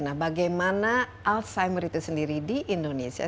nah bagaimana alzheimer itu sendiri di indonesia